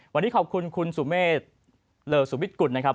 วันนี้ขอบคุณคุณสุเมษเลอสุวิทย์กุลนะครับ